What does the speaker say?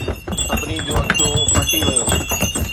سڀني جون اکيون ڦٽي ويون